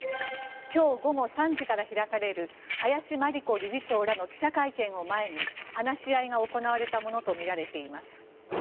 今日午後３時から開かれる林真理子理事長らの記者会見を前に話し合いが行われたものとみられています。